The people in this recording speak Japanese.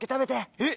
えっ！